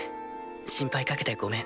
心配かけてごめん。